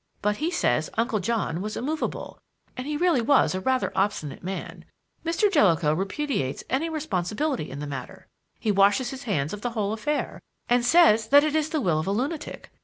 But he says Uncle John was immovable; and he really was a rather obstinate man. Mr. Jellicoe repudiates any responsibility in the matter. He washes his hands of the whole affair, and says that it is the will of a lunatic.